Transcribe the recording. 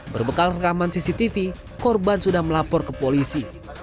berbekal rekaman cctv korban sudah melapor ke polisi